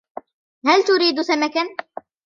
هل تريد سمكاً ؟